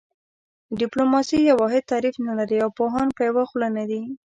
ډیپلوماسي یو واحد تعریف نه لري او پوهان په یوه خوله نه دي